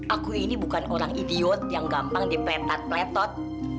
aku ini bukan orang idiot yang gampang dipetat peletot